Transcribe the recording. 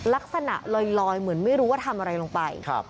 ลักษณะลอยเหมือนไม่รู้ว่าทำอะไรลงไป